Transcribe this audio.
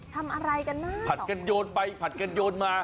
ทำอะไรกันหน้าผ่านกันโยนไปผ่านกันโยนมา